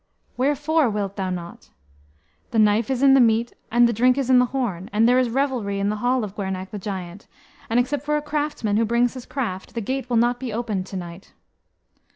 "Wherefore wilt thou not?" "The knife is in the meat, and the drink is in the horn, and there is revelry in the hall of Gwernach the Giant; and except for a craftsman who brings his craft, the gate will not be opened to night."